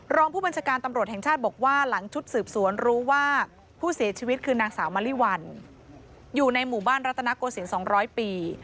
รองผู้บัญชาการตำรวจแห่งชาติบอกว่าหลังชุดสืบสวนรู้ว่าผู้เสียชีวิตคือนางสาวมะลิวัลอยู่ในหมู่บ้านรัตนโกศิลป์๒๐๐ปี